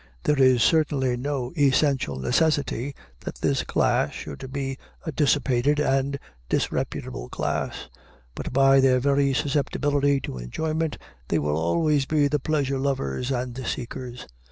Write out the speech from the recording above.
There is certainly no essential necessity that this class should be a dissipated and disreputable class, but by their very susceptibility to enjoyment they will always be the pleasure lovers and seekers.